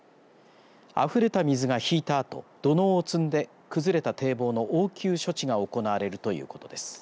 あふれた水がひいたあと土のうを積んで崩れた堤防の応急処置が行われるということです。